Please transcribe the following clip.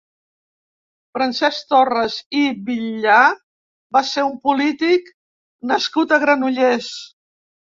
Francesc Torras i Villà va ser un polític nascut a Granollers.